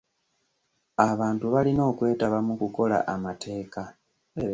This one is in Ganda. Abantu balina okwetaba mu kukola amateeka.